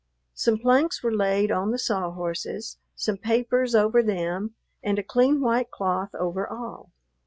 Some planks were laid on the saw horses, some papers over them, and a clean white cloth over all.